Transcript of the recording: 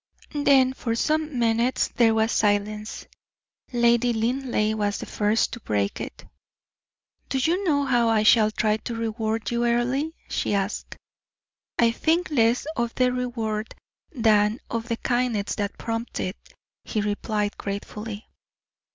Then for some minutes there was silence. Lady Linleigh was the first to break it. "Do you know how I shall try to reward you, Earle?" she asked. "I think less of the reward than of the kindness that prompts it," he replied, gratefully.